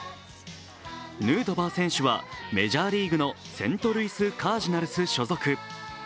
ヌートバー選手はメジャーリーグのセントルイス・カージナルス所属。